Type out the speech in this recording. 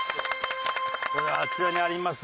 あちらにあります